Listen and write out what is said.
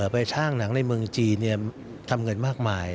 ไปสร้างหนังในเมืองจีนทำเงินมากมาย